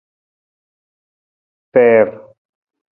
Fiir.